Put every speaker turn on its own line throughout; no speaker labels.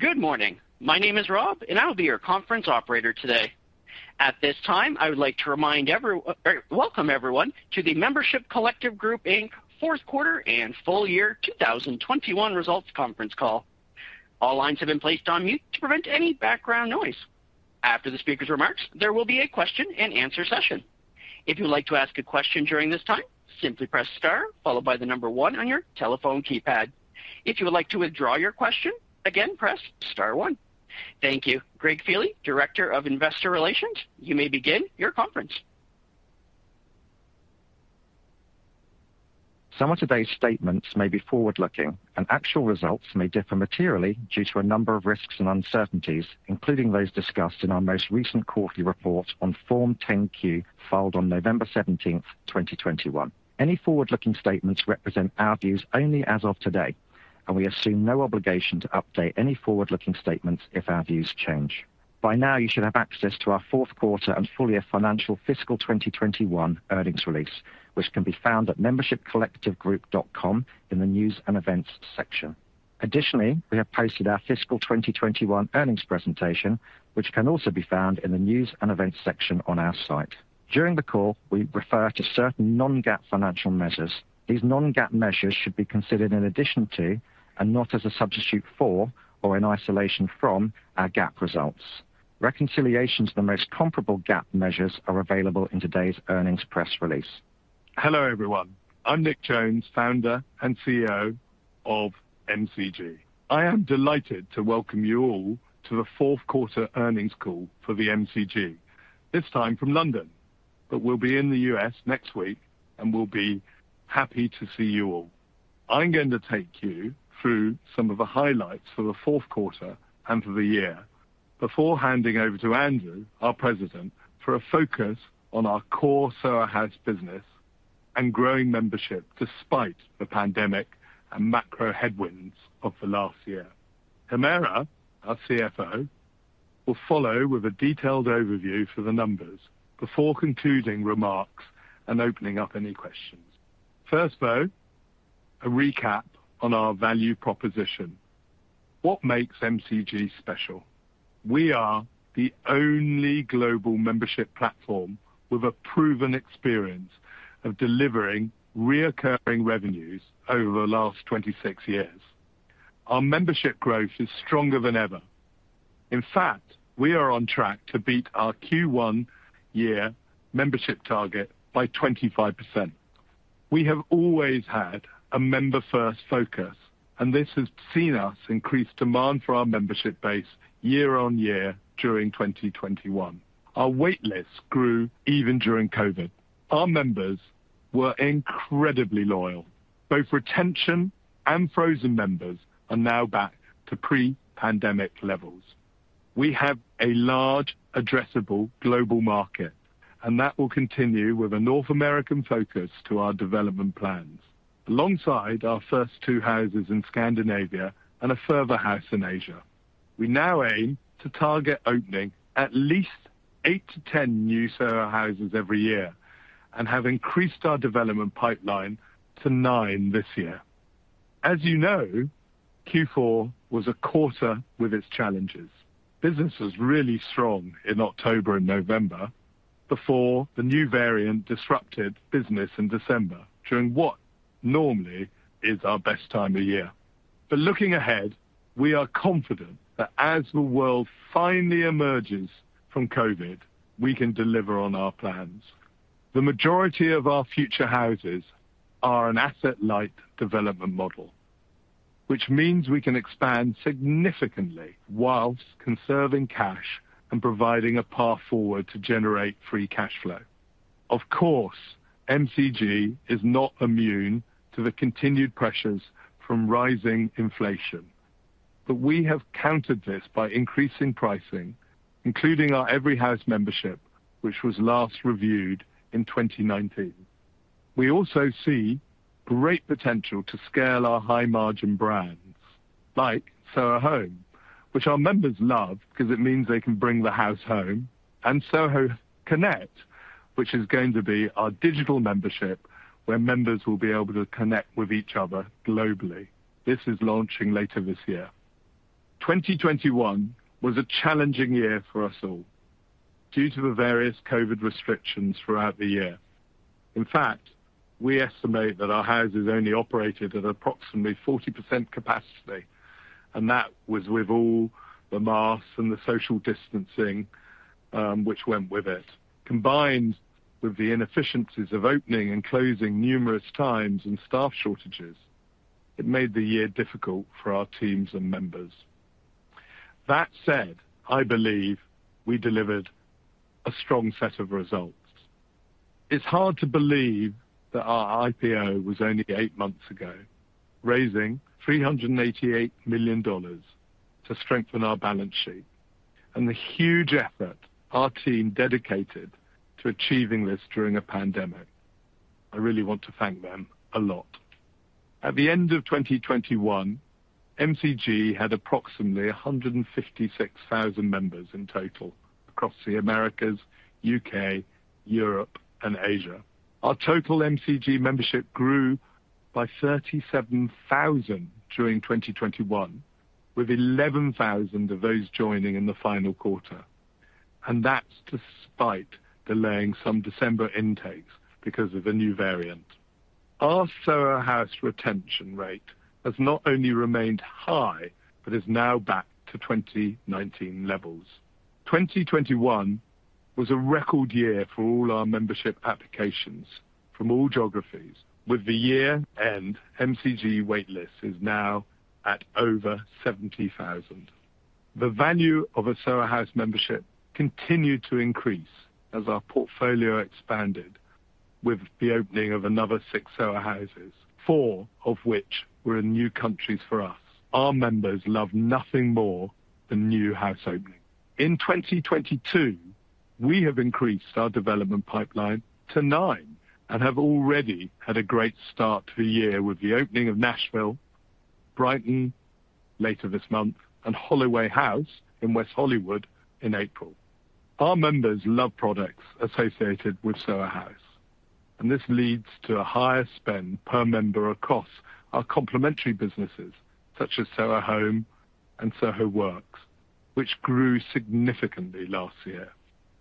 Good morning. My name is Rob, and I will be your conference operator today. At this time, welcome everyone to the Membership Collective Group Inc. fourth quarter and full-year 2021 results conference call. All lines have been placed on mute to prevent any background noise. After the speaker's remarks, there will be a question-and-answer session. If you'd like to ask a question during this time, simply press star followed by the number one on your telephone keypad. If you would like to withdraw your question, again, press star one. Thank you. Greg Feehely, Director of Investor Relations, you may begin your conference.
Some of today's statements may be forward-looking, and actual results may differ materially due to a number of risks and uncertainties, including those discussed in our most recent quarterly report on Form 10-Q filed on November 17th, 2021. Any forward-looking statements represent our views only as of today, and we assume no obligation to update any forward-looking statements if our views change. By now, you should have access to our fourth quarter and full year financials for fiscal 2021 earnings release, which can be found at membershipcollectivegroup.com in the News and Events section. Additionally, we have posted our fiscal 2021 earnings presentation, which can also be found in the News and Events section on our site. During the call, we refer to certain non-GAAP financial measures. These non-GAAP measures should be considered in addition to and not as a substitute for or in isolation from our GAAP results. Reconciliations to the most comparable GAAP measures are available in today's earnings press release.
Hello, everyone. I'm Nick Jones, Founder and CEO of MCG. I am delighted to welcome you all to the fourth quarter earnings call for the MCG, this time from London. We'll be in the U.S. next week, and we'll be happy to see you all. I'm going to take you through some of the highlights for the fourth quarter and for the year before handing over to Andrew, our President, for a focus on our core Soho House business and growing membership despite the pandemic and macro headwinds of the last year. Humera, our CFO, will follow with a detailed overview for the numbers before concluding remarks and opening up any questions. First, though, a recap on our value proposition. What makes MCG special? We are the only global membership platform with a proven experience of delivering reoccurring revenues over the last 26 years. Our membership growth is stronger than ever. In fact, we are on track to beat our Q1 year membership target by 25%. We have always had a member-first focus, and this has seen us increase demand for our membership base year on year during 2021. Our wait lists grew even during COVID. Our members were incredibly loyal. Both retention and frozen members are now back to pre-pandemic levels. We have a large addressable global market, and that will continue with a North American focus to our development plans. Alongside our first two houses in Scandinavia and a further house in Asia, we now aim to target opening at least eight to 10 new Soho Houses every year and have increased our development pipeline to nine this year. As you know, Q4 was a quarter with its challenges. Business was really strong in October and November before the new variant disrupted business in December, during what normally is our best time of year. Looking ahead, we are confident that as the world finally emerges from COVID, we can deliver on our plans. The majority of our future houses are an asset-light development model, which means we can expand significantly while conserving cash and providing a path forward to generate free cash flow. Of course, MCG is not immune to the continued pressures from rising inflation, but we have countered this by increasing pricing, including our Every House membership, which was last reviewed in 2019. We also see great potential to scale our high-margin brands like Soho Home, which our members love because it means they can bring the house home, and Soho Connect, which is going to be our digital membership, where members will be able to connect with each other globally. This is launching later this year. 2021 was a challenging year for us all due to the various COVID restrictions throughout the year. In fact, we estimate that our houses only operated at approximately 40% capacity, and that was with all the masks and the social distancing, which went with it. Combined with the inefficiencies of opening and closing numerous times and staff shortages, it made the year difficult for our teams and members. That said, I believe we delivered a strong set of results. It's hard to believe that our IPO was only eight months ago, raising $388 million to strengthen our balance sheet and the huge effort our team dedicated to achieving this during a pandemic. I really want to thank them a lot. At the end of 2021, MCG had approximately 156,000 members in total across the Americas, U.K., Europe, and Asia. Our total MCG membership grew by 37,000 during 2021, with 11,000 of those joining in the final quarter. That's despite delaying some December intakes because of a new variant. Our Soho House retention rate has not only remained high but is now back to 2019 levels. 2021 was a record year for all our membership applications from all geographies. With the year-end, MCG waitlist is now at over 70,000. The value of a Soho House membership continued to increase as our portfolio expanded with the opening of another six Soho Houses, four of which were in new countries for us. Our members love nothing more than new house opening. In 2022, we have increased our development pipeline to nine and have already had a great start to the year with the opening of Nashville, Brighton later this month, and Holloway House in West Hollywood in April. Our members love products associated with Soho House, and this leads to a higher spend per member across our complementary businesses such as Soho Home and Soho Works, which grew significantly last year.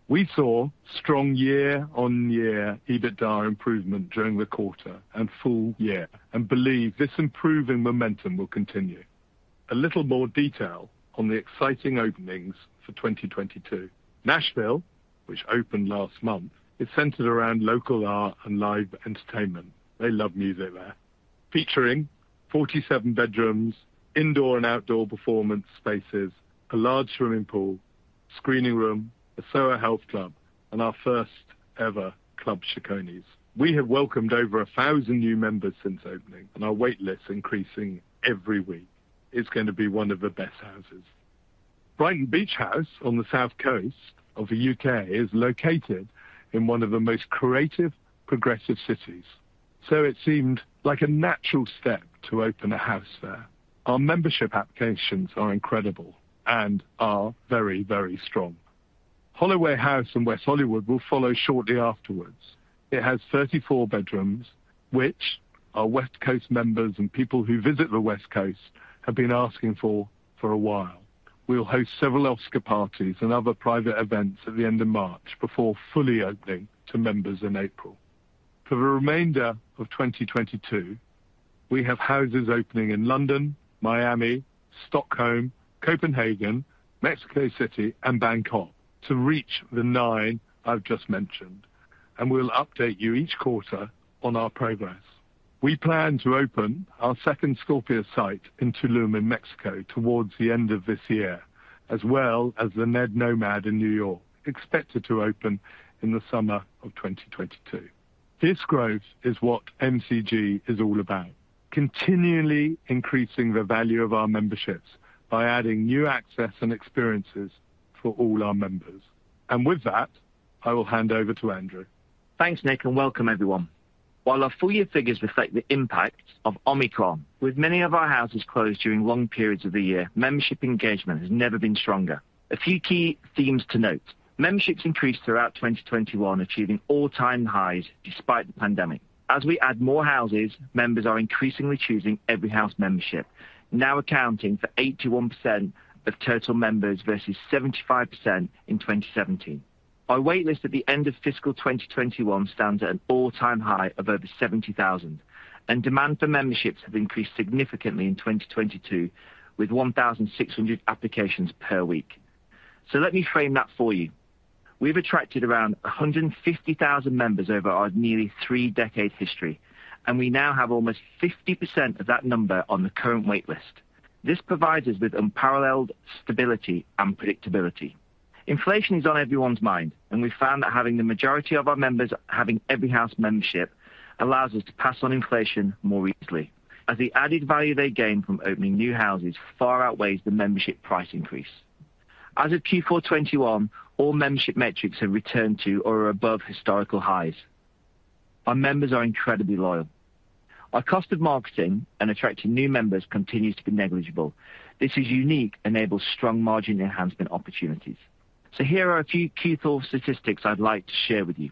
We saw strong year-on-year EBITDA improvement during the quarter and full year and believe this improving momentum will continue. A little more detail on the exciting openings for 2022. Nashville, which opened last month, is centered around local art and live entertainment. They love music there. Featuring 47 bedrooms, indoor and outdoor performance spaces, a large swimming pool, screening room, a Soho Health Club, and our first-ever club Cecconi's. We have welcomed over 1,000 new members since opening, and our wait list increasing every week. It's gonna be one of the best houses. Brighton Beach House on the south coast of the U.K. is located in one of the most creative, progressive cities. It seemed like a natural step to open a house there. Our membership applications are incredible and are very, very strong. Holloway House in West Hollywood will follow shortly afterwards. It has 34 bedrooms, which our West Coast members and people who visit the West Coast have been asking for for a while. We'll host several Oscar parties and other private events at the end of March before fully opening to members in April. For the remainder of 2022, we have houses opening in London, Miami, Stockholm, Copenhagen, Mexico City, and Bangkok to reach the nine I've just mentioned. We'll update you each quarter on our progress. We plan to open our second Scorpios site in Tulum in Mexico towards the end of this year, as well as The Ned NoMad in New York, expected to open in the summer of 2022. This growth is what MCG is all about, continually increasing the value of our memberships by adding new access and experiences for all our members. With that, I will hand over to Andrew.
Thanks, Nick, and welcome everyone. While our full-year figures reflect the impact of Omicron, with many of our houses closed during long periods of the year, membership engagement has never been stronger. A few key themes to note. Memberships increased throughout 2021, achieving all-time highs despite the pandemic. As we add more houses, members are increasingly choosing Every House membership, now accounting for 81% of total members versus 75% in 2017. Our wait list at the end of fiscal 2021 stands at an all-time high of over 70,000, and demand for memberships have increased significantly in 2022 with 1,600 applications per week. Let me frame that for you. We've attracted around 150,000 members over our nearly three-decade history, and we now have almost 50% of that number on the current wait list. This provides us with unparalleled stability and predictability. Inflation is on everyone's mind, and we found that having the majority of our members having Every House membership allows us to pass on inflation more easily as the added value they gain from opening new houses far outweighs the membership price increase. As of Q4 2021, all membership metrics have returned to or above historical highs. Our members are incredibly loyal. Our cost of marketing and attracting new members continues to be negligible. This is unique, enables strong margin enhancement opportunities. Here are a few key statistics I'd like to share with you.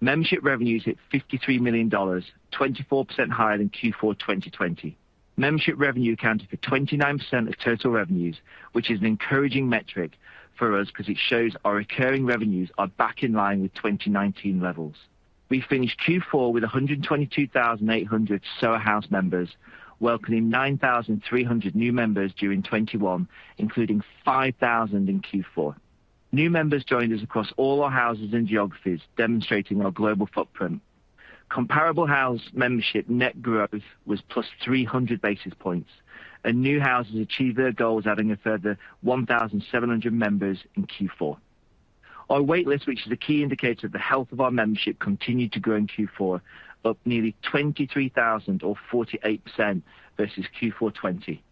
Membership revenues hit $53 million, 24% higher than Q4 2020. Membership revenue accounted for 29% of total revenues, which is an encouraging metric for us because it shows our recurring revenues are back in line with 2019 levels. We finished Q4 with 122,800 Soho House members, welcoming 9,300 new members during 2021, including 5,000 in Q4. New members joined us across all our houses and geographies, demonstrating our global footprint. Comparable house membership net growth was +300 basis points, and new houses achieved their goals, adding a further 1,700 members in Q4. Our wait list, which is a key indicator of the health of our membership, continued to grow in Q4, up nearly 23,000 or 48% versus Q4 2020.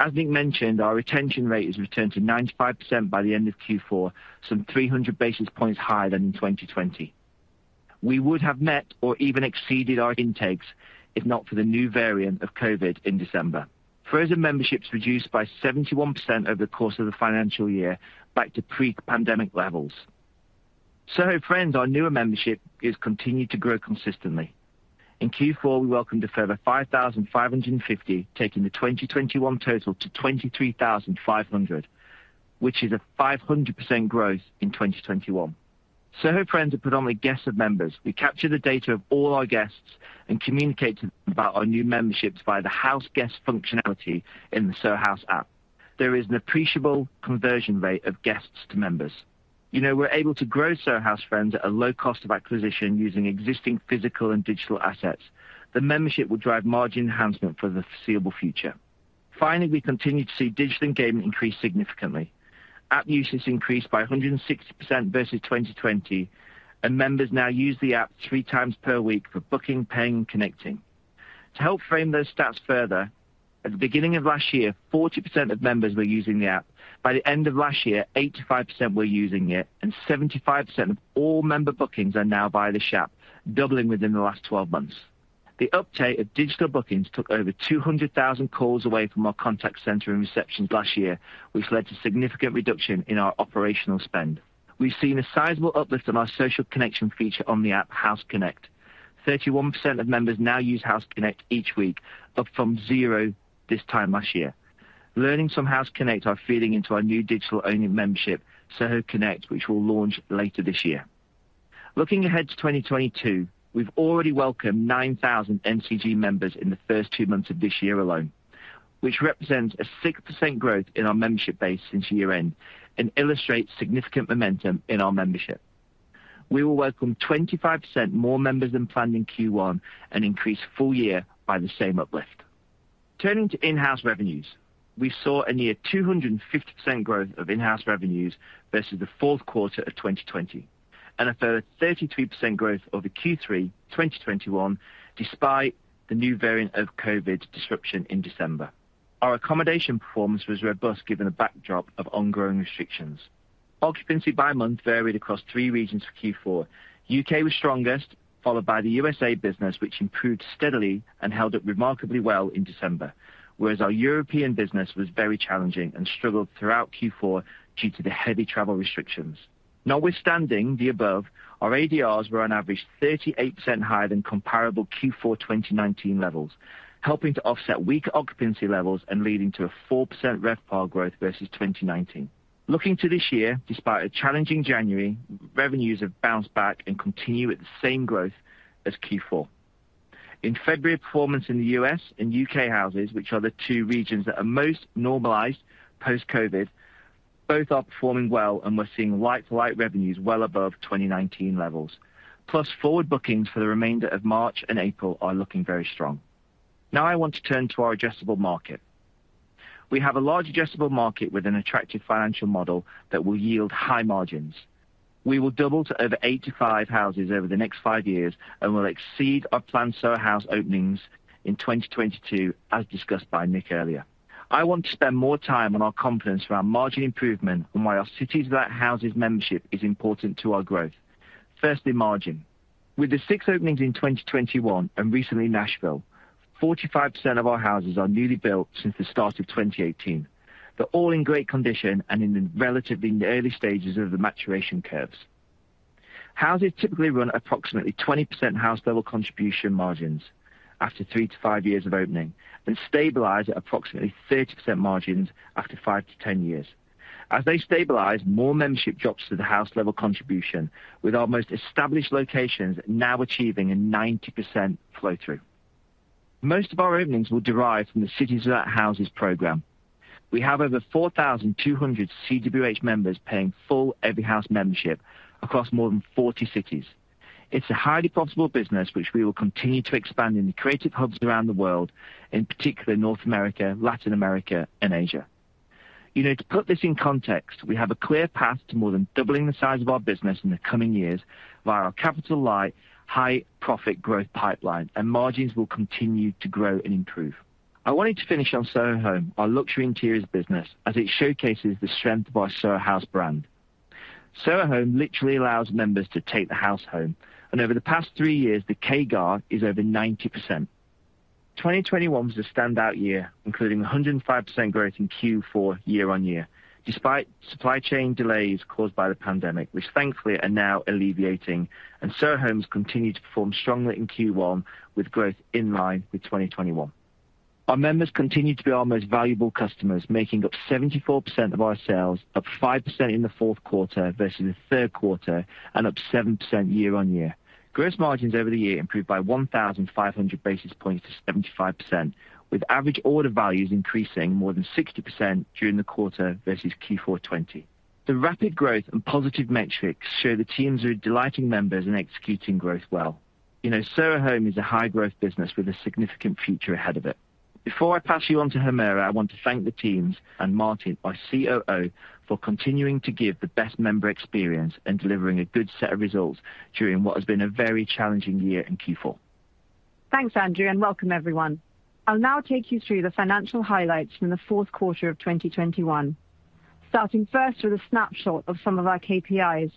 As Nick mentioned, our retention rate has returned to 95% by the end of Q4, some 300 basis points higher than in 2020. We would have met or even exceeded our intakes if not for the new variant of COVID in December. Frozen memberships reduced by 71% over the course of the financial year back to pre-pandemic levels. Soho Friends, our newer membership, has continued to grow consistently. In Q4, we welcomed a further 5,550, taking the 2021 total to 23,500, which is a 500% growth in 2021. Soho Friends are predominantly guests of members. We capture the data of all our guests and communicate about our new memberships via the house guest functionality in the Soho House app. There is an appreciable conversion rate of guests to members. You know, we're able to grow Soho House Friends at a low cost of acquisition using existing physical and digital assets. The membership will drive margin enhancement for the foreseeable future. Finally, we continue to see digital engagement increase significantly. App usage increased by 160% versus 2020, and members now use the app three times per week for booking, paying, and connecting. To help frame those stats further, at the beginning of last year, 40% of members were using the app. By the end of last year, 85% were using it, and 75% of all member bookings are now via this app, doubling within the last 12 months. The uptake of digital bookings took over 200,000 calls away from our contact center and receptions last year, which led to significant reduction in our operational spend. We've seen a sizable uplift on our social connection feature on the app, House Connect. 31% of members now use House Connect each week, up from zero this time last year. Learnings from House Connect are feeding into our new digital-only membership, Soho Connect, which will launch later this year. Looking ahead to 2022, we've already welcomed 9,000 MCG members in the first two months of this year alone, which represents a 6% growth in our membership base since year-end and illustrates significant momentum in our membership. We will welcome 25% more members than planned in Q1 and increase full year by the same uplift. Turning to in-house revenues, we saw a near 250% growth of in-house revenues versus the fourth quarter of 2020 and a further 32% growth over Q3 2021, despite the new variant of COVID disruption in December. Our accommodation performance was robust, given the backdrop of ongoing restrictions. Occupancy by month varied across three regions for Q4. U.K. was strongest, followed by the USA business, which improved steadily and held up remarkably well in December. Whereas our European business was very challenging and struggled throughout Q4 due to the heavy travel restrictions. Notwithstanding the above, our ADRs were on average 38% higher than comparable Q4 2019 levels, helping to offset weaker occupancy levels and leading to a 4% RevPAR growth versus 2019. Looking to this year, despite a challenging January, revenues have bounced back and continue at the same growth as Q4. In February, performance in the U.S. and U.K. houses, which are the two regions that are most normalized post-COVID, both are performing well, and we're seeing like-for-like revenues well above 2019 levels. Plus forward bookings for the remainder of March and April are looking very strong. Now I want to turn to our addressable market. We have a large addressable market with an attractive financial model that will yield high margins. We will double to over 85 houses over the next five years and will exceed our planned Soho House openings in 2022 as discussed by Nick earlier. I want to spend more time on our confidence for our margin improvement and why our Cities Without Houses membership is important to our growth. Firstly, margin. With the six openings in 2021 and recently Nashville, 45% of our houses are newly built since the start of 2018. They're all in great condition and in the relatively early stages of the maturation curves. Houses typically run approximately 20% house level contribution margins after three to five years of opening, then stabilize at approximately 30% margins after five to 10 years. As they stabilize, more membership drops to the house level contribution, with our most established locations now achieving a 90% flow through. Most of our openings will derive from the Cities Without Houses program. We have over 4,200 CWH members paying full Every House membership across more than 40 cities. It's a highly profitable business which we will continue to expand in the creative hubs around the world, in particular North America, Latin America, and Asia. You know, to put this in context, we have a clear path to more than doubling the size of our business in the coming years via our capital light, high profit growth pipeline, and margins will continue to grow and improve. I wanted to finish on Soho Home, our luxury interiors business, as it showcases the strength of our Soho House brand. Soho Home literally allows members to take the house home, and over the past three years, the CAGR is over 90%. 2021 was a standout year, including 105% growth in Q4 year-on-year, despite supply chain delays caused by the pandemic, which thankfully are now alleviating. Soho Home's continued to perform strongly in Q1 with growth in line with 2021. Our members continue to be our most valuable customers, making up 74% of our sales, up 5% in the fourth quarter versus the third quarter and up 7% year-on-year. Gross margins over the year improved by 1,500 basis points to 75%, with average order values increasing more than 60% during the quarter versus Q4 2020. The rapid growth and positive metrics show the teams are delighting members and executing growth well. You know, Soho Home is a high-growth business with a significant future ahead of it. Before I pass you on to Humera, I want to thank the teams and Martin, our COO, for continuing to give the best member experience and delivering a good set of results during what has been a very challenging year in Q4.
Thanks, Andrew, and welcome everyone. I'll now take you through the financial highlights from the fourth quarter of 2021, starting first with a snapshot of some of our KPIs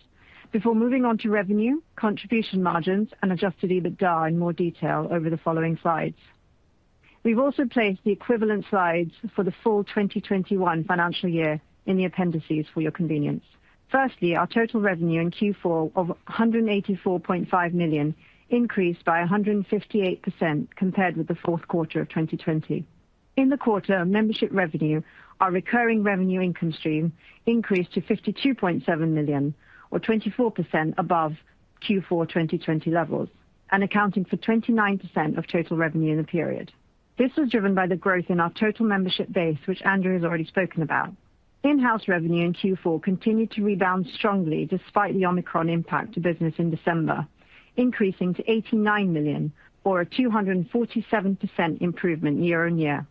before moving on to revenue, contribution margins, and adjusted EBITDA in more detail over the following slides. We've also placed the equivalent slides for the full 2021 financial year in the appendices for your convenience. Firstly, our total revenue in Q4 of $184.5 million increased by 158% compared with the fourth quarter of 2020. In the quarter, our membership revenue, our recurring revenue income stream increased to $52.7 million or 24% above Q4 2020 levels and accounting for 29% of total revenue in the period. This was driven by the growth in our total membership base, which Andrew has already spoken about. In-house revenue in Q4 continued to rebound strongly despite the Omicron impact to business in December, increasing to $89 million or a 247% improvement year-on-year.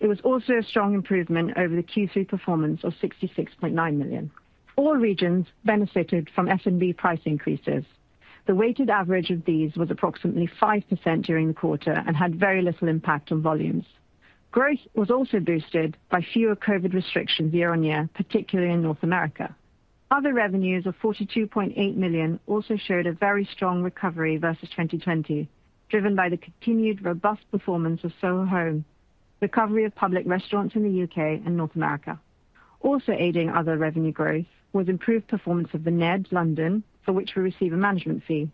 It was also a strong improvement over the Q3 performance of $66.9 million. All regions benefited from F&B price increases. The weighted average of these was approximately 5% during the quarter and had very little impact on volumes. Growth was also boosted by fewer COVID restrictions year-on-year, particularly in North America. Other revenues of $42.8 million also showed a very strong recovery versus 2020, driven by the continued robust performance of Soho Home, recovery of public restaurants in the U.K. and North America. Improved performance of The Ned London, for which we receive a management fee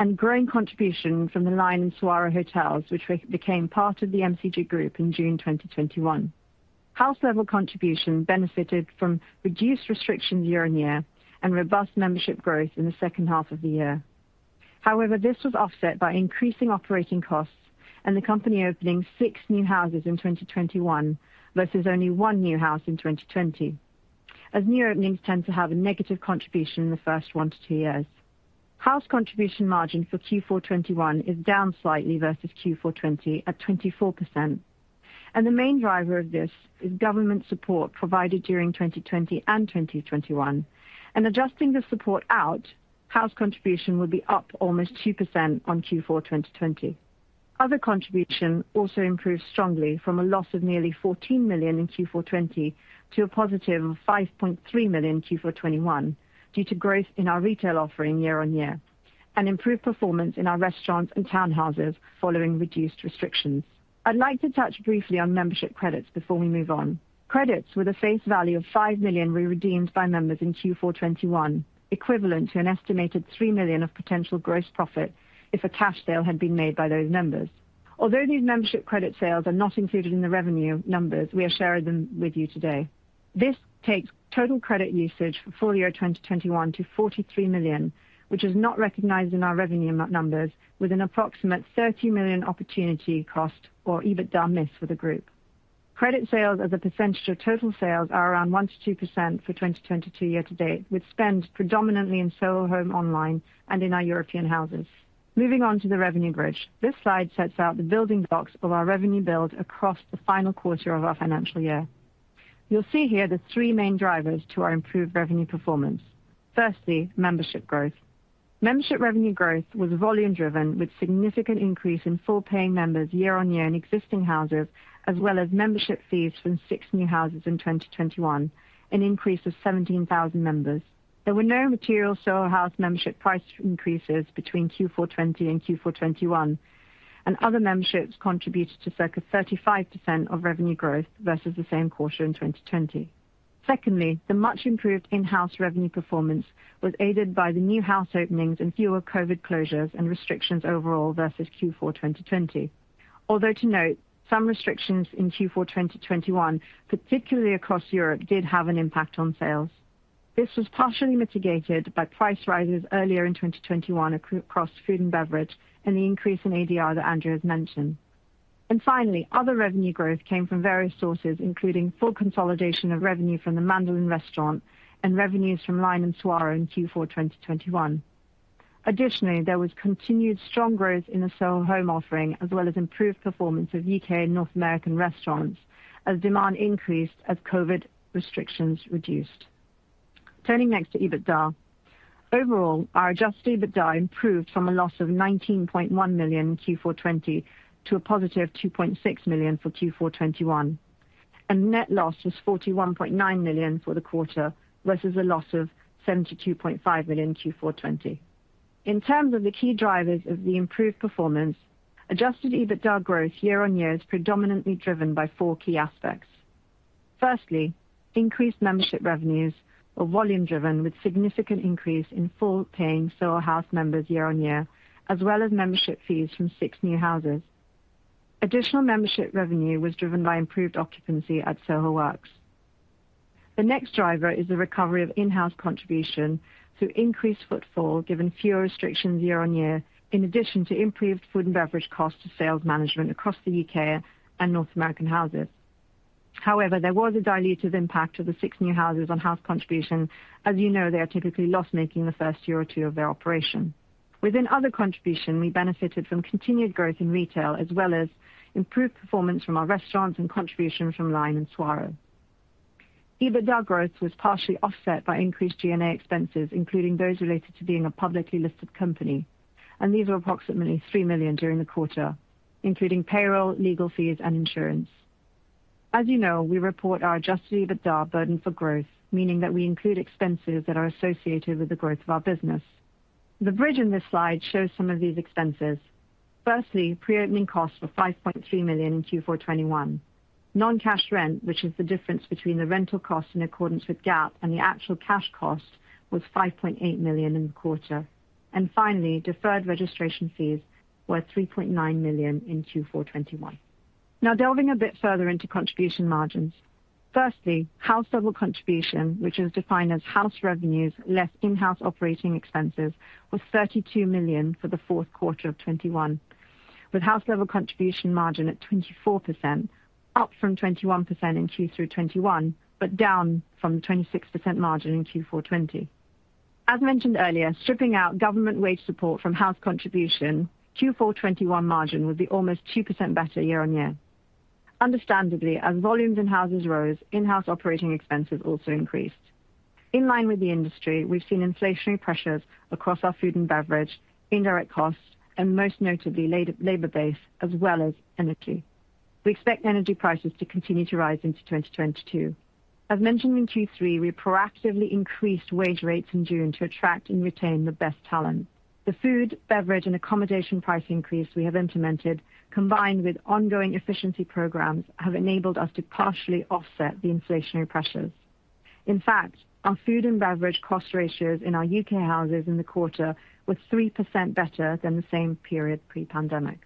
and growing contribution from The Line and Saguaro Hotels, which we became part of the MCG Group in June 2021, also aided other revenue growth. House level contribution benefited from reduced restrictions year-on-year and robust membership growth in the second half of the year. However, this was offset by increasing operating costs and the company opening six new houses in 2021 versus only one new house in 2020. New openings tend to have a negative contribution in the first one to two years. House contribution margin for Q4 2021 is down slightly versus Q4 2020 at 24%, and the main driver of this is government support provided during 2020 and 2021. Adjusting the support out, house contribution would be up almost 2% on Q4 2020. Other contribution also improved strongly from a loss of nearly $14 million in Q4 2020 to a positive of $5.3 million in Q4 2021 due to growth in our retail offering year-on-year and improved performance in our restaurants and townhouses following reduced restrictions. I'd like to touch briefly on membership credits before we move on. Credits with a face value of $5 million were redeemed by members in Q4 2021, equivalent to an estimated $3 million of potential gross profit if a cash sale had been made by those members. Although these membership credit sales are not included in the revenue numbers, we are sharing them with you today. This takes total credit usage for full-year 2021 to $43 million, which is not recognized in our revenue numbers with an approximate $30 million opportunity cost or EBITDA miss for the group. Credit sales as a percentage of total sales are around 1%-2% for 2022 year-to-date, with spend predominantly in Soho Home online and in our European houses. Moving on to the revenue growth. This slide sets out the building blocks of our revenue build across the final quarter of our financial year. You'll see here the three main drivers to our improved revenue performance. Firstly, membership growth. Membership revenue growth was volume driven with significant increase in full paying members year-on-year in existing houses, as well as membership fees from 6 new houses in 2021, an increase of 17,000 members. There were no material Soho House membership price increases between Q4 2020 and Q4 2021, and other memberships contributed to circa 35% of revenue growth versus the same quarter in 2020. Secondly, the much improved in-house revenue performance was aided by the new house openings and fewer COVID closures and restrictions overall versus Q4 2020. Although to note, some restrictions in Q4 2021, particularly across Europe, did have an impact on sales. This was partially mitigated by price rises earlier in 2021 across food and beverage and the increase in ADR that Andrew has mentioned. Finally, other revenue growth came from various sources, including full consolidation of revenue from the Mandolin restaurant and revenues from LINE and Saguaro in Q4 2021. Additionally, there was continued strong growth in the Soho Home offering, as well as improved performance of U.K. and North American restaurants as demand increased as COVID restrictions reduced. Turning next to EBITDA. Overall, our adjusted EBITDA improved from a loss of $19.1 million in Q4 2020 to a positive $2.6 million for Q4 2021. Net loss was $41.9 million for the quarter, versus a loss of $72.5 million Q4 2020. In terms of the key drivers of the improved performance, adjusted EBITDA growth year-on-year is predominantly driven by four key aspects. Firstly, increased membership revenues are volume driven with significant increase in full paying Soho House members year-on-year as well as membership fees from six new houses. Additional membership revenue was driven by improved occupancy at Soho Works. The next driver is the recovery of in-house contribution through increased footfall given fewer restrictions year-on-year in addition to improved food and beverage cost to sales management across the U.K. and North American houses. However, there was a dilutive impact to the six new houses on house contribution. As you know, they are typically loss-making the first year or two of their operation. Within other contribution, we benefited from continued growth in retail as well as improved performance from our restaurants and contribution from LINE and Saguaro. EBITDA growth was partially offset by increased G&A expenses, including those related to being a publicly listed company, and these were approximately $3 million during the quarter, including payroll, legal fees, and insurance. As you know, we report our adjusted EBITDA burden for growth, meaning that we include expenses that are associated with the growth of our business. The bridge in this slide shows some of these expenses. Firstly, pre-opening costs were $5.3 million in Q4 2021. Non-cash rent, which is the difference between the rental costs in accordance with GAAP and the actual cash cost, was $5.8 million in the quarter. Finally, deferred registration fees were $3.9 million in Q4 2021. Now delving a bit further into contribution margins. Firstly, house level contribution, which is defined as house revenues less in-house operating expenses, was $32 million for the fourth quarter of 2021, with house level contribution margin at 24%, up from 21% in Q3 2021, but down from the 26% margin in Q4 2020. As mentioned earlier, stripping out government wage support from house contribution, Q4 2021 margin would be almost 2% better year-on-year. Understandably, as volumes in houses rose, in-house operating expenses also increased. In line with the industry, we've seen inflationary pressures across our food and beverage, indirect costs, and most notably labor base as well as energy. We expect energy prices to continue to rise into 2022. As mentioned in Q3, we proactively increased wage rates in June to attract and retain the best talent. The food, beverage, and accommodation price increase we have implemented, combined with ongoing efficiency programs, have enabled us to partially offset the inflationary pressures. In fact, our food and beverage cost ratios in our U.K. houses in the quarter were 3% better than the same period pre-pandemic.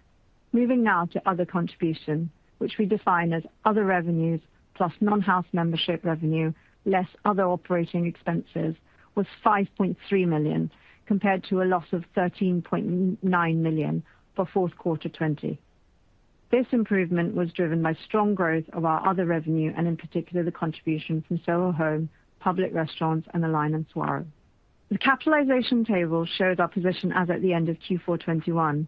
Moving now to other contribution, which we define as other revenues plus non-house membership revenue, less other operating expenses, was $5.3 million, compared to a loss of $13.9 million for fourth quarter 2020. This improvement was driven by strong growth of our other revenue and in particular, the contribution from Soho Home, public restaurants, and The LINE and Saguaro. The capitalization table shows our position as at the end of Q4 2021.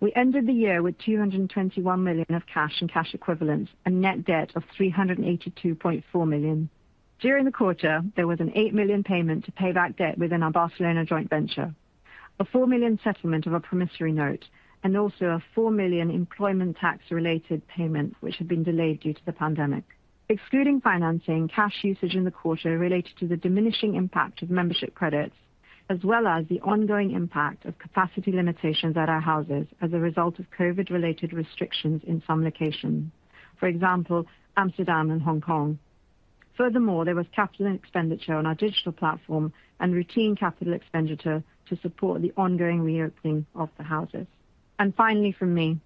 We ended the year with $221 million of cash and cash equivalents, and net debt of $382.4 million. During the quarter, there was an $8 million payment to pay back debt within our Barcelona joint venture, a $4 million settlement of a promissory note, and also a $4 million employment tax related payment which had been delayed due to the pandemic. Excluding financing, cash usage in the quarter related to the diminishing impact of membership credits, as well as the ongoing impact of capacity limitations at our houses as a result of COVID-related restrictions in some locations. For example, Amsterdam and Hong Kong. Furthermore, there was capital expenditure on our digital platform and routine capital expenditure to support the ongoing reopening of the houses. Finally from me,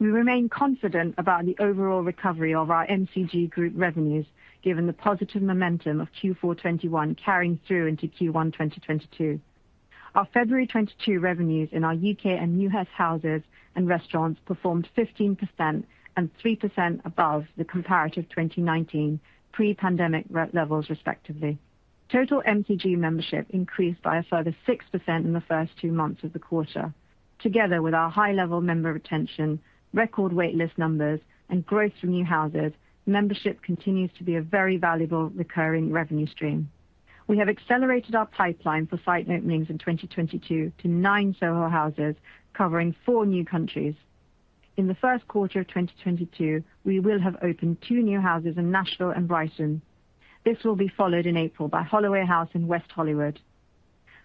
we remain confident about the overall recovery of our MCG group revenues given the positive momentum of Q4 2021 carrying through into Q1 2022. Our February 2022 revenues in our U.K. and new houses and restaurants performed 15% and 3% above the comparative 2019 pre-pandemic levels respectively. Total MCG membership increased by a further 6% in the first two months of the quarter. Together with our high level member retention, record wait list numbers, and growth from new houses, membership continues to be a very valuable recurring revenue stream. We have accelerated our pipeline for site openings in 2022 to nine Soho Houses covering four new countries. In the first quarter of 2022, we will have opened two new houses in Nashville and Brighton. This will be followed in April by Holloway House in West Hollywood.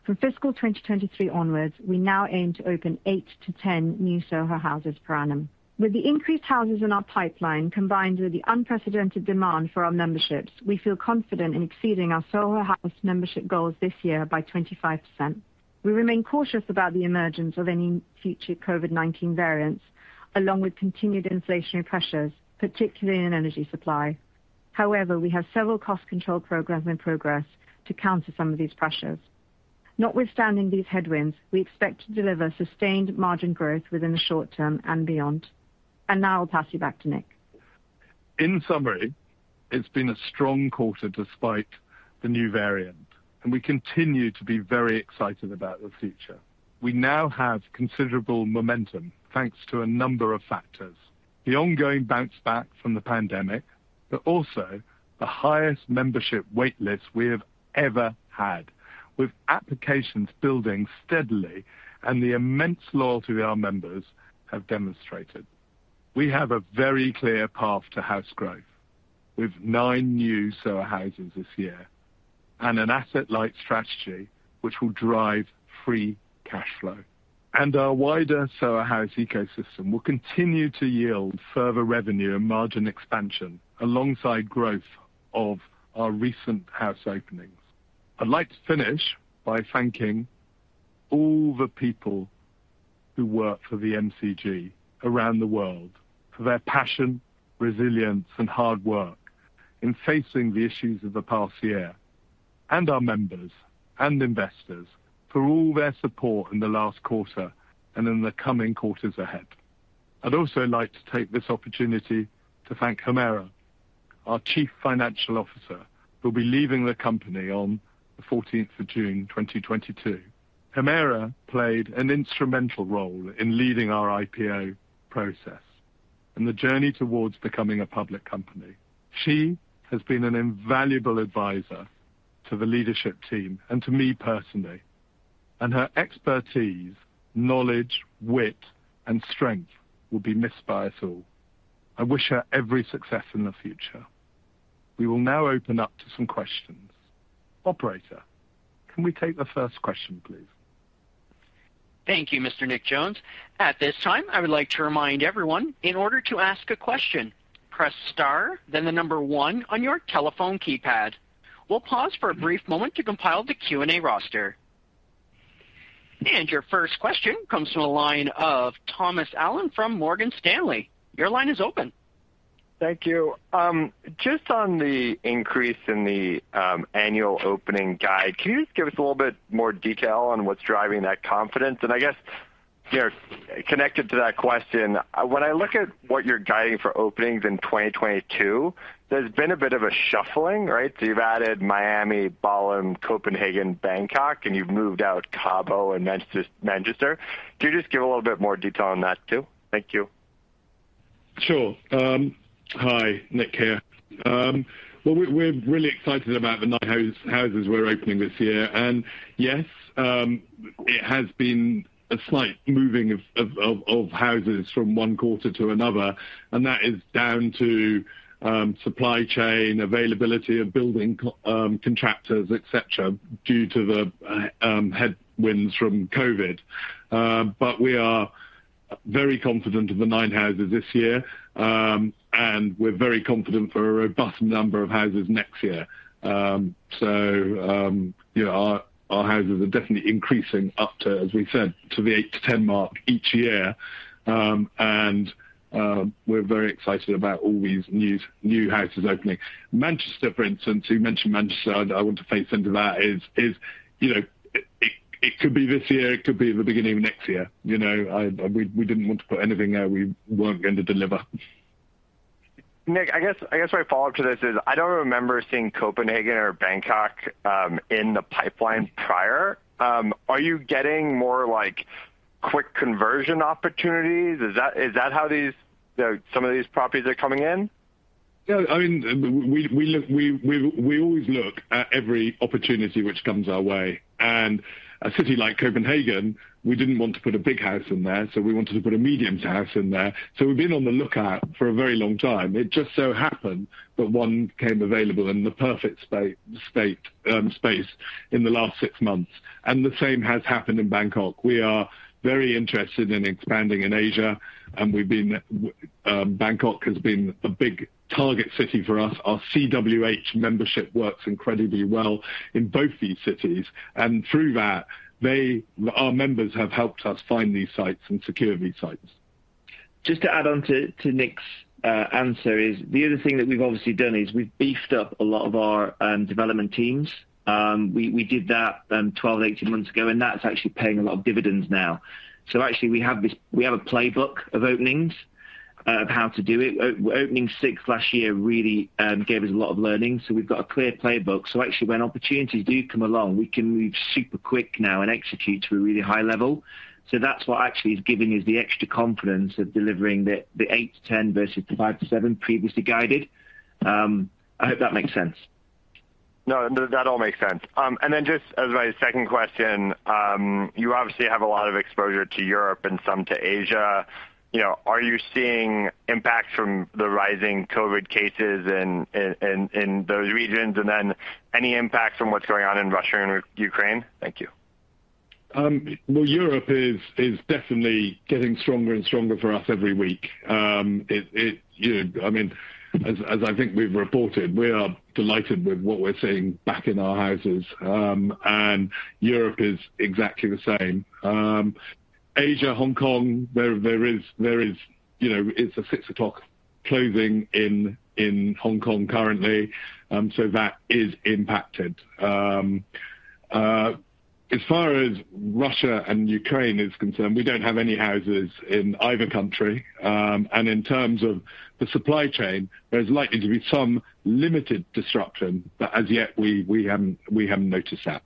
From fiscal 2023 onwards, we now aim to open eight to 10 new Soho Houses per annum. With the increased houses in our pipeline, combined with the unprecedented demand for our memberships, we feel confident in exceeding our Soho House membership goals this year by 25%. We remain cautious about the emergence of any future COVID-19 variants, along with continued inflationary pressures, particularly in energy supply. However, we have several cost control programs in progress to counter some of these pressures. Notwithstanding these headwinds, we expect to deliver sustained margin growth within the short term and beyond. Now I'll pass you back to Nick.
In summary, it's been a strong quarter despite the new variant, and we continue to be very excited about the future. We now have considerable momentum thanks to a number of factors, the ongoing bounce back from the pandemic, but also the highest membership wait list we have ever had, with applications building steadily and the immense loyalty our members have demonstrated. We have a very clear path to Soho House growth with nine new Soho Houses this year and an asset-light strategy which will drive free cash flow. Our wider Soho House ecosystem will continue to yield further revenue and margin expansion alongside growth of our recent house openings. I'd like to finish by thanking all the people who work for the MCG around the world for their passion, resilience, and hard work in facing the issues of the past year, and our members and investors for all their support in the last quarter and in the coming quarters ahead. I'd also like to take this opportunity to thank Humera, our Chief Financial Officer, who'll be leaving the company on the 14th of June, 2022. Humera played an instrumental role in leading our IPO process and the journey towards becoming a public company. She has been an invaluable advisor to the leadership team and to me personally. Her expertise, knowledge, wit, and strength will be missed by us all. I wish her every success in the future. We will now open up to some questions. Operator, can we take the first question, please?
Thank you, Mr. Nick Jones. At this time, I would like to remind everyone, in order to ask a question, press star then the number one on your telephone keypad. We'll pause for a brief moment to compile the Q&A roster. Your first question comes from the line of Thomas Allen from Morgan Stanley. Your line is open.
Thank you. Just on the increase in the annual opening guide, can you just give us a little bit more detail on what's driving that confidence? I guess, you know, connected to that question, when I look at what you're guiding for openings in 2022, there's been a bit of a shuffling, right? You've added Miami, Tulum, Copenhagen, Bangkok, and you've moved out Cabo and Manchester. Could you just give a little bit more detail on that too? Thank you.
Sure. Hi, Nick here. Well, we're really excited about the nine houses we're opening this year. Yes, it has been a slight moving of houses from one quarter to another, and that is down to supply chain, availability of building contractors, et cetera, due to the headwinds from COVID. We are very confident of the nine houses this year, and we're very confident for a robust number of houses next year. You know, our houses are definitely increasing up to, as we said, to the eight to 10 mark each year. We're very excited about all these new houses opening. Manchester, for instance, you mentioned Manchester, and I want to face into that is, you know, it could be this year, it could be the beginning of next year. You know, we didn't want to put anything out, we weren't going to deliver.
Nick, I guess my follow-up to this is I don't remember seeing Copenhagen or Bangkok in the pipeline prior. Are you getting more, like, quick conversion opportunities? Is that how these, you know, some of these properties are coming in?
Yeah, I mean, we always look at every opportunity which comes our way. A city like Copenhagen, we didn't want to put a big house in there, so we wanted to put a medium house in there. We've been on the lookout for a very long time. It just so happened that one came available in the perfect space in the last six months. The same has happened in Bangkok. We are very interested in expanding in Asia, and Bangkok has been a big target city for us. Our CWH membership works incredibly well in both these cities. Through that, our members have helped us find these sites and secure these sites.
Just to add on to Nick's answer is the other thing that we've obviously done is we've beefed up a lot of our development teams. We did that 12-18 months ago, and that's actually paying a lot of dividends now. We have a playbook of openings of how to do it. Opening six last year really gave us a lot of learning. We've got a clear playbook. When opportunities do come along, we can move super quick now and execute to a really high level. That's what actually has given us the extra confidence of delivering the eight to 10 versus the five to seven previously guided. I hope that makes sense.
No, no, that all makes sense. Just as my second question, you obviously have a lot of exposure to Europe and some to Asia. You know, are you seeing impacts from the rising COVID cases in those regions? Any impact from what's going on in Russia and Ukraine? Thank you.
Well, Europe is definitely getting stronger and stronger for us every week. It you know, I mean, as I think we've reported, we are delighted with what we're seeing back in our houses, and Europe is exactly the same. Asia, Hong Kong, there is you know, it's a 6:00 closing in Hong Kong currently, so that is impacted. As far as Russia and Ukraine is concerned, we don't have any houses in either country. In terms of the supply chain, there's likely to be some limited disruption, but as yet, we haven't noticed that.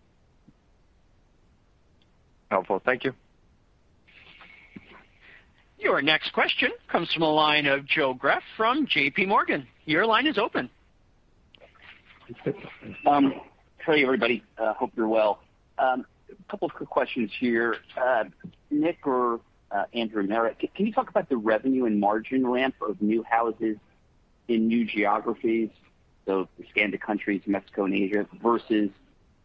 Helpful. Thank you.
Your next question comes from the line of Joe Greff from JPMorgan. Your line is open.
Hey, everybody, hope you're well. A couple of quick questions here. Nick or Andrew and Humera, can you talk about the revenue and margin ramp of new houses in new geographies, so the Scandinavian countries, Mexico, and Asia, versus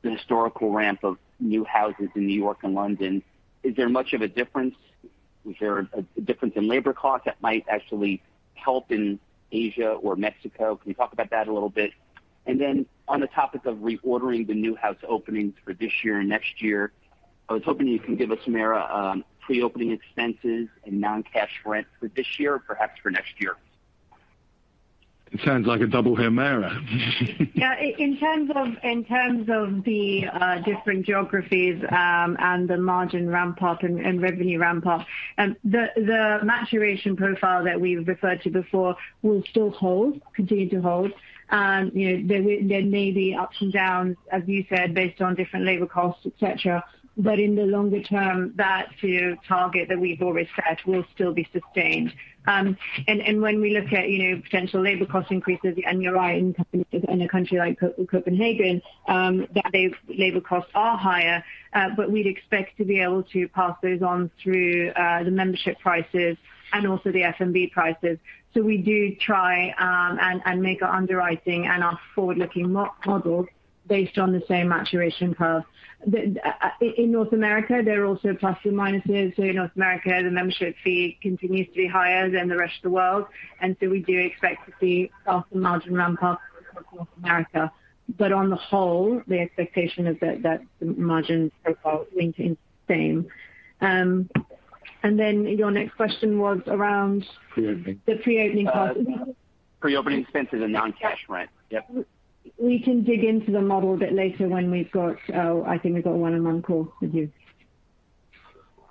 the historical ramp of new houses in New York and London? Is there much of a difference? Is there a difference in labor cost that might actually help in Asia or Mexico? Can you talk about that a little bit? On the topic of reordering the new house openings for this year and next year, I was hoping you can give us some idea of pre-opening expenses and non-cash rent for this year or perhaps for next year.
It sounds like a double Humera.
Yeah, in terms of the different geographies, and the margin ramp-up and revenue ramp-up, the maturation profile that we've referred to before will still hold, continue to hold. You know, there may be ups and downs, as you said, based on different labor costs, et cetera. In the longer term, the target that we've already set will still be sustained. When we look at, you know, potential labor cost increases, and you're right, in a country like Copenhagen, the labor costs are higher, but we'd expect to be able to pass those on through the membership prices and also the F&B prices. We do try and make our underwriting and our forward-looking model based on the same maturation curve. Then in North America, there are also plus and minuses. In North America, the membership fee continues to be higher than the rest of the world. We do expect to see softer margin ramp-up across North America. On the whole, the expectation is that the margin profile will remain the same. Then your next question was around-
Pre-opening.
The pre-opening costs.
Pre-opening expenses and non-cash rent. Yep.
We can dig into the model a bit later when we've got, I think, one-on-one call with you.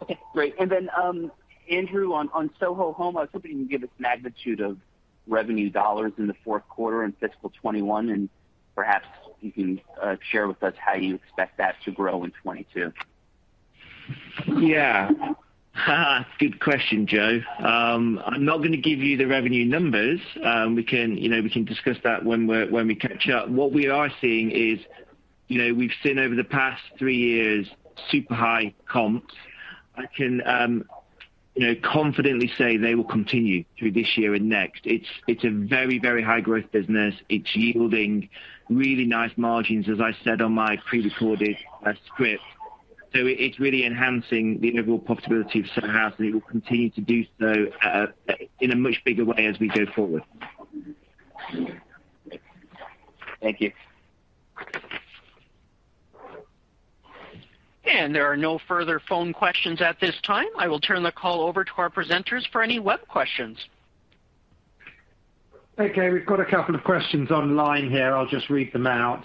Okay, great. Andrew, on Soho Home, I was hoping you can give us magnitude of revenue dollars in the fourth quarter and fiscal 2021, and perhaps you can share with us how you expect that to grow in 2022.
Yeah. Good question, Joe. I'm not gonna give you the revenue numbers. We can discuss that when we catch up. What we are seeing is, we've seen over the past three years, super high comps. I can confidently say they will continue through this year and next. It's a very high growth business. It's yielding really nice margins, as I said on my pre-recorded script. It's really enhancing the overall profitability of Soho House, and it will continue to do so in a much bigger way as we go forward.
Thank you.
There are no further phone questions at this time. I will turn the call over to our presenters for any web questions.
Okay, we've got a couple of questions online here. I'll just read them out.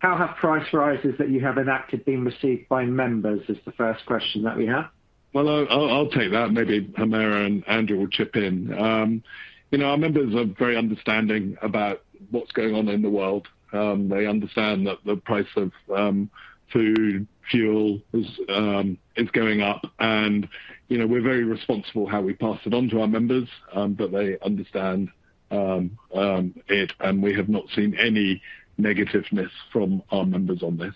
How have price rises that you have enacted been received by members, is the first question that we have.
Well, I'll take that. Maybe Humera and Andrew will chip in. You know, our members are very understanding about what's going on in the world. They understand that the price of food, fuel is going up. You know, we're very responsible how we pass it on to our members, but they understand it, and we have not seen any negativity from our members on this.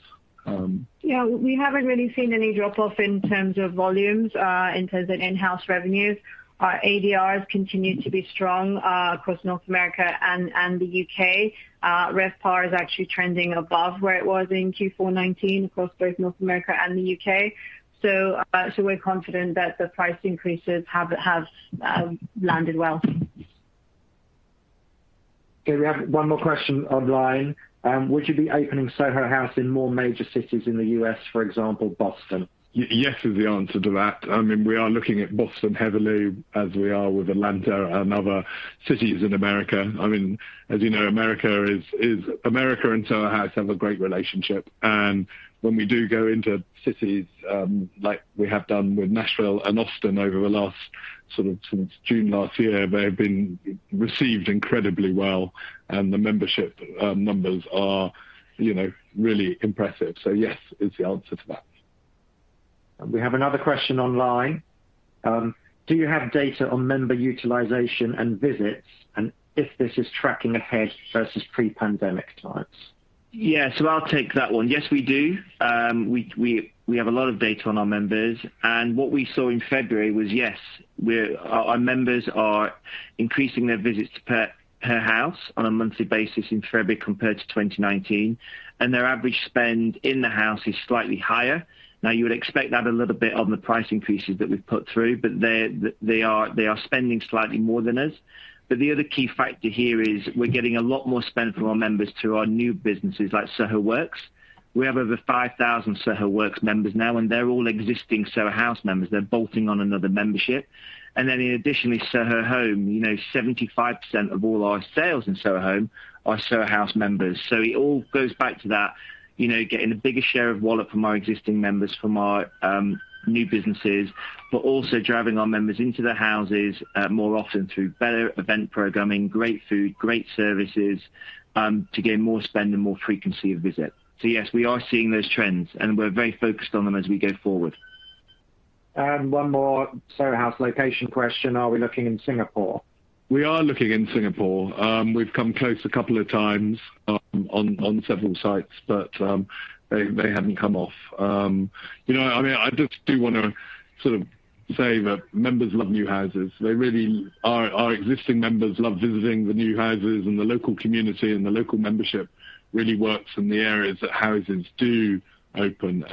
Yeah, we haven't really seen any drop-off in terms of volumes in terms of in-house revenues. Our ADRs continue to be strong across North America and the U.K. RevPAR is actually trending above where it was in Q4 2019 across both North America and the U.K. We're confident that the price increases have landed well.
Okay, we have one more question online. Would you be opening Soho House in more major cities in the U.S., for example, Boston?
Yes is the answer to that. I mean, we are looking at Boston heavily as we are with Atlanta and other cities in America. I mean, as you know, America and Soho House have a great relationship. When we do go into cities, like we have done with Nashville and Austin over the last sort of since June last year, they have been received incredibly well. The membership numbers are, you know, really impressive. Yes is the answer to that.
We have another question online. Do you have data on member utilization and visits and if this is tracking ahead versus pre-pandemic times?
Yeah. I'll take that one. Yes, we do. We have a lot of data on our members. What we saw in February was, yes, our members are increasing their visits per house on a monthly basis in February compared to 2019, and their average spend in the house is slightly higher. Now, you would expect that a little bit on the price increases that we've put through, but they are spending slightly more than us. The other key factor here is we're getting a lot more spend from our members through our new businesses like Soho Works. We have over 5,000 Soho Works members now, and they're all existing Soho House members. They're bolting on another membership. Additionally, Soho Home, you know, 75% of all our sales in Soho Home are Soho House members. It all goes back to that, you know, getting a bigger share of wallet from our existing members and our new businesses, but also driving our members into the houses more often through better event programming, great food, great services, to get more spend and more frequency of visit. Yes, we are seeing those trends, and we're very focused on them as we go forward.
One more Soho House location question, are we looking in Singapore?
We are looking in Singapore. We've come close a couple of times on several sites, but they haven't come off. You know, I mean, I just do wanna sort of say that members love new houses. They really, our existing members love visiting the new houses and the local community and the local membership really works in the areas that houses do open.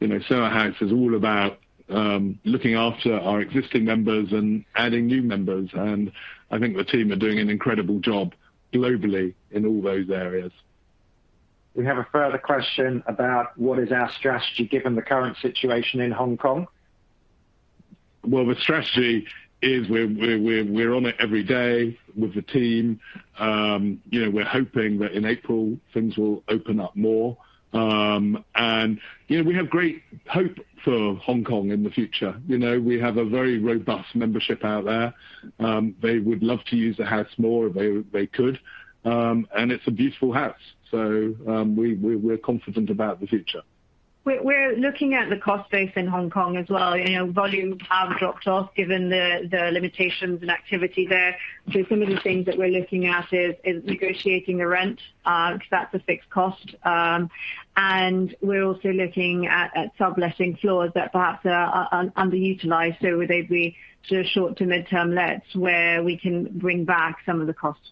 You know, Soho House is all about looking after our existing members and adding new members. I think the team are doing an incredible job globally in all those areas.
We have a further question about what is our strategy given the current situation in Hong Kong?
Well, the strategy is we're on it every day with the team. You know, we're hoping that in April things will open up more. You know, we have great hope for Hong Kong in the future. You know, we have a very robust membership out there. They would love to use the house more if they could. It's a beautiful house, so we're confident about the future.
We're looking at the cost base in Hong Kong as well. You know, volumes have dropped off given the limitations in activity there. Some of the things that we're looking at is negotiating the rent, 'cause that's a fixed cost. We're also looking at subletting floors that perhaps are underutilized, so they'd be sort of short to mid-term lets where we can bring back some of the costs.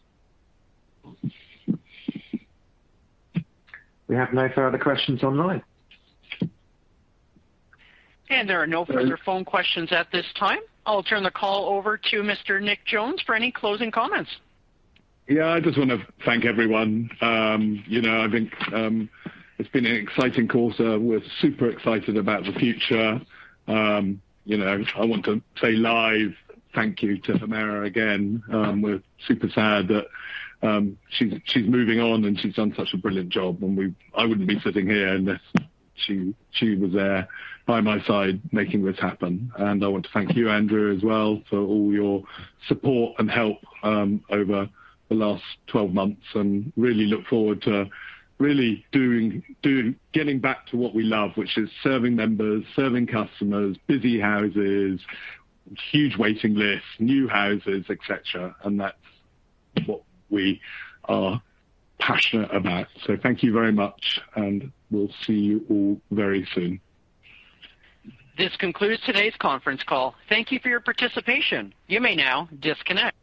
We have no further questions online.
There are no further phone questions at this time. I'll turn the call over to Mr. Nick Jones for any closing comments.
Yeah. I just want to thank everyone. You know, I think it's been an exciting quarter. We're super excited about the future. You know, I want to say a live thank you to Humera again. We're super sad that she's moving on, and she's done such a brilliant job, and I wouldn't be sitting here unless she was there by my side making this happen. I want to thank you, Andrew, as well for all your support and help over the last 12 months and really look forward to getting back to what we love, which is serving members, serving customers, busy houses, huge waiting lists, new houses, et cetera, and that's what we are passionate about. Thank you very much, and we'll see you all very soon.
This concludes today's conference call. Thank you for your participation. You may now disconnect.